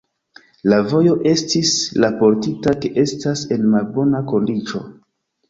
La vojo estis raportita ke estas en malbona kondiĉo.